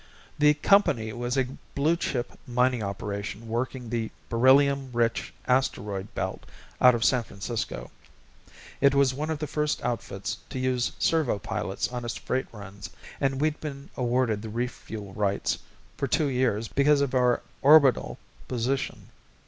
The company was a blue chip mining operation working the beryllium rich asteroid belt out of San Francisco. It was one of the first outfits to use servo pilots on its freight runs and we'd been awarded the refuel rights for two years because of our orbital position.